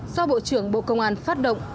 do bộ trưởng bộ công an phát động